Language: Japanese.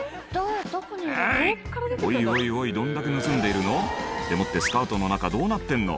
おいおいおいどんだけ盗んでいるの？でもってスカートの中どうなってんの？